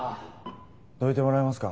どいてもらえますか。